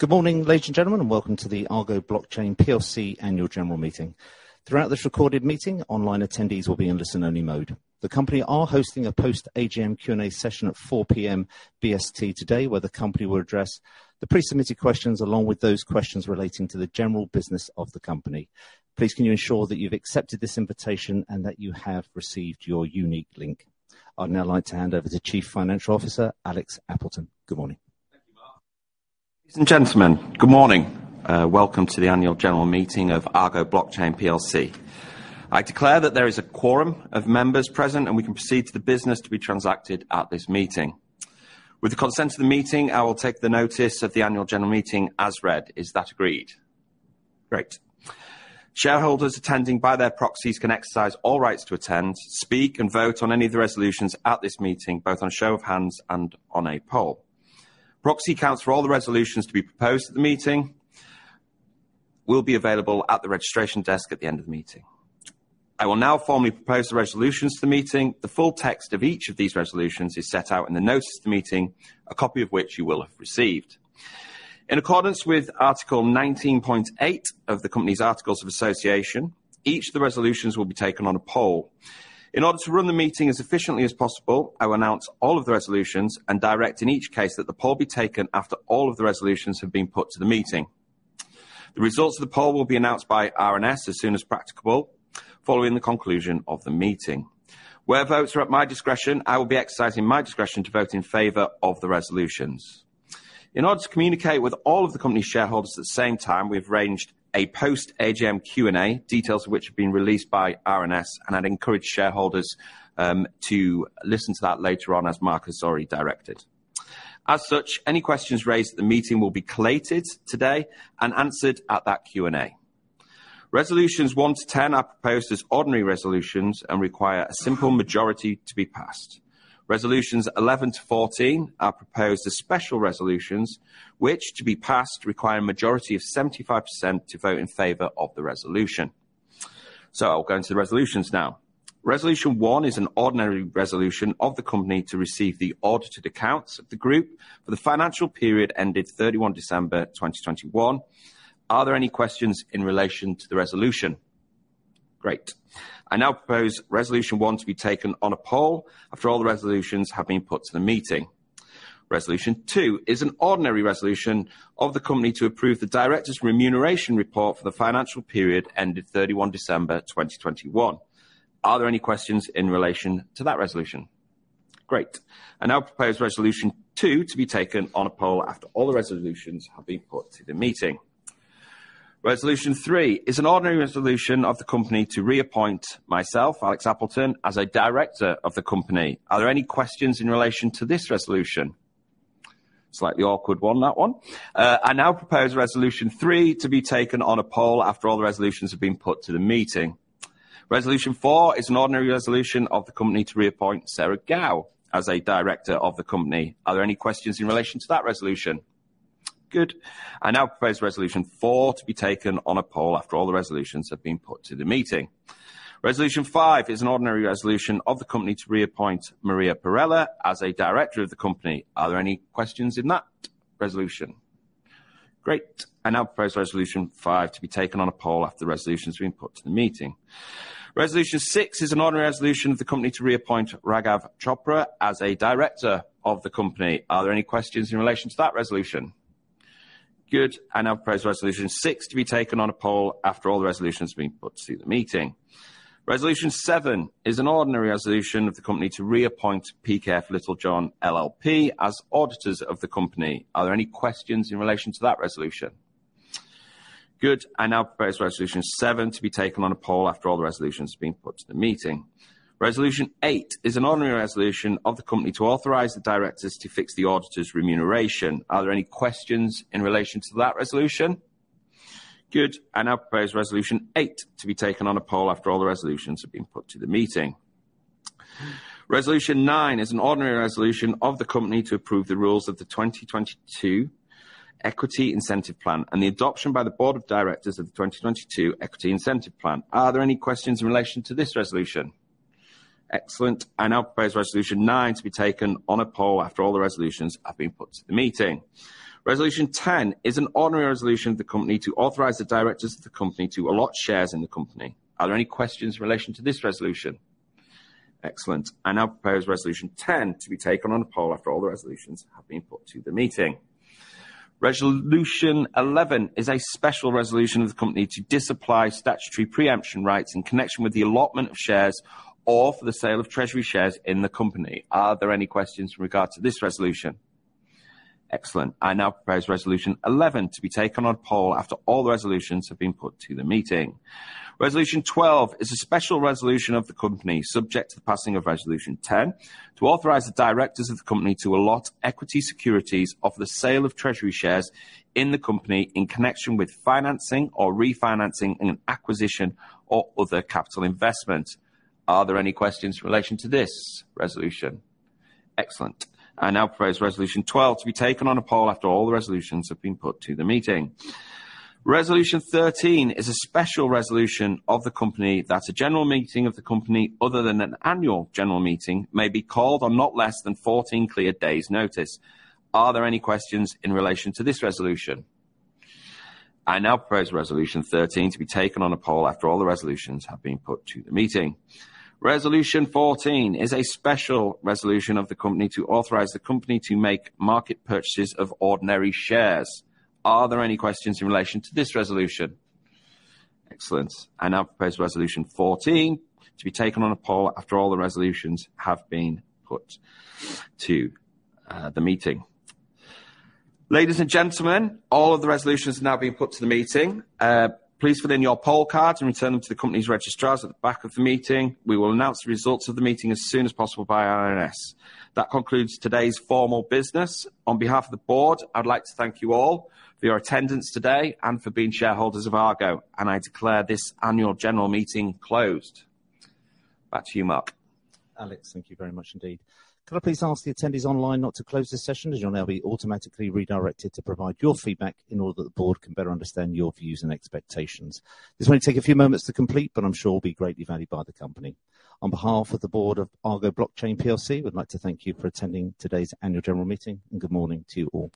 Good morning, ladies and gentlemen, and welcome to the Argo Blockchain plc annual general meeting. Throughout this recorded meeting, online attendees will be in listen-only mode. The company are hosting a post AGM Q&A session at 4:00 P.M. BST today, where the company will address the pre-submitted questions along with those questions relating to the general business of the company. Please can you ensure that you've accepted this invitation and that you have received your unique link. I'd now like to hand over to Chief Financial Officer Alex Appleton. Good morning. Thank you, Mark. Ladies and gentlemen, good morning. Welcome to the annual general meeting of Argo Blockchain plc. I declare that there is a quorum of members present, and we can proceed to the business to be transacted at this meeting. With the consent of the meeting, I will take the notice of the annual general meeting as read. Is that agreed? Great. Shareholders attending by their proxies can exercise all rights to attend, speak, and vote on any of the resolutions at this meeting, both on show of hands and on a poll. Proxy counts for all the resolutions to be proposed at the meeting will be available at the registration desk at the end of the meeting. I will now formally propose the resolutions to the meeting. The full text of each of these resolutions is set out in the notice of the meeting, a copy of which you will have received. In accordance with article 19.8 of the company's articles of association, each of the resolutions will be taken on a poll. In order to run the meeting as efficiently as possible, I will announce all of the resolutions and direct in each case that the poll be taken after all of the resolutions have been put to the meeting. The results of the poll will be announced by RNS as soon as practicable following the conclusion of the meeting. Where votes are at my discretion, I will be exercising my discretion to vote in favor of the resolutions. In order to communicate with all of the company shareholders at the same time, we've arranged a post AGM Q&A, details which have been released by RNS, and I'd encourage shareholders to listen to that later on, as Mark has already directed. As such, any questions raised at the meeting will be collated today and answered at that Q&A. Resolutions one-10 are proposed as ordinary resolutions and require a simple majority to be passed. Resolutions 11-14 are proposed as special resolutions, which, to be passed, require a majority of 75% to vote in favor of the resolution. I'll go into the resolutions now. Resolution one is an ordinary resolution of the company to receive the audited accounts of the group for the financial period ended December 31, 2021. Are there any questions in relation to the resolution? Great. I now propose resolution one to be taken on a poll after all the resolutions have been put to the meeting. Resolution two is an ordinary resolution of the company to approve the directors' remuneration report for the financial period ended December 31, 2021. Are there any questions in relation to that resolution? Great. I now propose resolution two to be taken on a poll after all the resolutions have been put to the meeting. Resolution three is an ordinary resolution of the company to reappoint myself, Alex Appleton, as a director of the company. Are there any questions in relation to this resolution? Slightly awkward one, that one. I now propose resolution three to be taken on a poll after all the resolutions have been put to the meeting. Resolution four is an ordinary resolution of the company to reappoint Sarah Gow as a director of the company. Are there any questions in relation to that resolution? Good. I now propose resolution four to be taken on a poll after all the resolutions have been put to the meeting. Resolution five is an ordinary resolution of the company to reappoint Maria Perrella as a director of the company. Are there any questions in that resolution? Great. I now propose resolution five to be taken on a poll after the resolution has been put to the meeting. Resolution six is an ordinary resolution of the company to reappoint Raghav Chopra as a director of the company. Are there any questions in relation to that resolution? Good. I now propose resolution six to be taken on a poll after all the resolutions have been put to the meeting. Resolution seven is an ordinary resolution of the company to reappoint PKF Littlejohn LLP as auditors of the company. Are there any questions in relation to that resolution? Good. I now propose resolution seven to be taken on a poll after all the resolutions have been put to the meeting. Resolution eight is an ordinary resolution of the company to authorize the directors to fix the auditors' remuneration. Are there any questions in relation to that resolution? Good. I now propose resolution eight to be taken on a poll after all the resolutions have been put to the meeting. Resolution nine is an ordinary resolution of the company to approve the rules of the 2022 Equity Incentive Plan and the adoption by the board of directors of the 2022 Equity Incentive Plan. Are there any questions in relation to this resolution? Excellent. I now propose resolution nine to be taken on a poll after all the resolutions have been put to the meeting. Resolution 10 is an ordinary resolution of the company to authorize the directors of the company to allot shares in the company. Are there any questions in relation to this resolution? Excellent. I now propose resolution 10 to be taken on a poll after all the resolutions have been put to the meeting. Resolution 11 is a special resolution of the company to disapply statutory preemption rights in connection with the allotment of shares or for the sale of treasury shares in the company. Are there any questions in regards to this resolution? Excellent. I now propose resolution 11 to be taken on a poll after all the resolutions have been put to the meeting. Resolution 12 is a special resolution of the company subject to the passing of resolution 10 to authorize the directors of the company to allot equity securities or the sale of treasury shares in the company in connection with financing or refinancing in an acquisition or other capital investment. Are there any questions in relation to this resolution? Excellent. I now propose resolution 12 to be taken on a poll after all the resolutions have been put to the meeting. Resolution 13 is a special resolution of the company that a general meeting of the company, other than an annual general meeting, may be called on not less than 14 clear days' notice. Are there any questions in relation to this resolution? I now propose resolution 13 to be taken on a poll after all the resolutions have been put to the meeting. Resolution 14 is a special resolution of the company to authorize the company to make market purchases of ordinary shares. Are there any questions in relation to this resolution? Excellent. I now propose Resolution 14 to be taken on a poll after all the resolutions have been put to the meeting. Ladies and gentlemen, all of the resolutions have now been put to the meeting. Please fill in your poll cards and return them to the company's registrars at the back of the meeting. We will announce the results of the meeting as soon as possible by RNS. That concludes today's formal business. On behalf of the board, I'd like to thank you all for your attendance today and for being shareholders of Argo, and I declare this annual general meeting closed. Back to you, Mark. Alex, thank you very much indeed. Could I please ask the attendees online not to close this session, as you'll now be automatically redirected to provide your feedback in order that the board can better understand your views and expectations. This may take a few moments to complete, but I'm sure will be greatly valued by the company. On behalf of the board of Argo Blockchain plc, we'd like to thank you for attending today's annual general meeting, and good morning to you all.